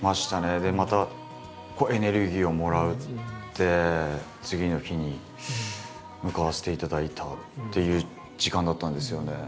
でまた濃いエネルギーをもらって次の日に向かわせていただいたっていう時間だったんですよね。